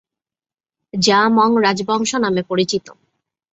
যা মং রাজবংশ নামে পরিচিত।